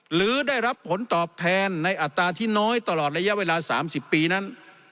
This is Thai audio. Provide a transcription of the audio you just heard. หรือได้รับผลตอบแทนในอัตราที่น้อยตลอดระยะเวลา๓๐ปีนั้น